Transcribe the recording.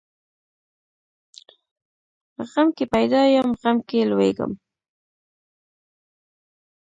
غم کې پیدا یم، غم کې لویېږم.